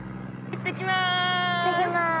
行ってきます。